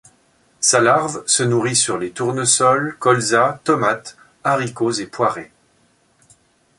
Sa larve se nourrit sur les tournesols, colzas, tomates, haricots et poirées.